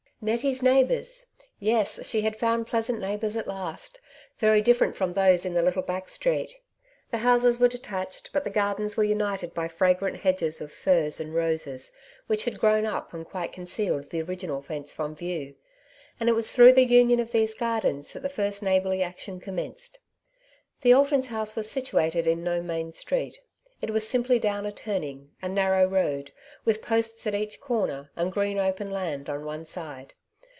Nettie's neighbours ! yes, she had found pleasant neighbours at last, very different from those in the little back street. The houses were detached, but the gardens were united by fragrant hedges of faraje and roses, which had grown up and quite concealed the original fence from view ; and it was through the union of these gardens that the first neighbourly action commenced. The Altons' house was situated in no main street. It was simply down a turning, a narrow road, with posts at each corner, and green open land on one side.